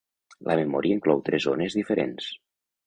La memòria inclou tres zones diferents.